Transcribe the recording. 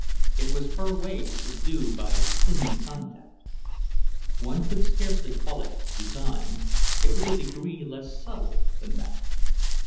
It was her way to subdue by clinging contact. One could scarcely call it design; it was a degree less subtle than that.